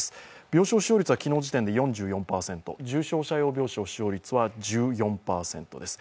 病床使用率は昨日時点で４４％、重症者用病床使用率は１４％です。